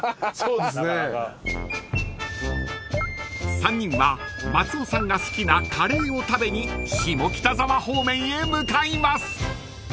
［３人は松尾さんが好きなカレーを食べに下北沢方面へ向かいます］